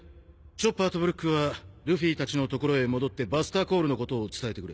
チョッパーとブルックはルフィたちの所へ戻ってバスターコールのことを伝えてくれ。